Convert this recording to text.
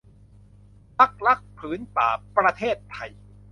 พรรครักษ์ผืนป่าประเทศไทย